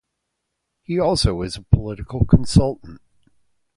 He also is a political consultant.